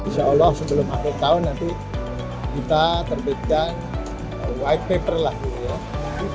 insya allah sebelum akhir tahun nanti kita terbitkan white paper lah gitu ya